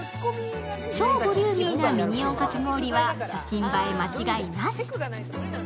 超ボリューミーな、ミニオンかき氷は写真映え間違いなし。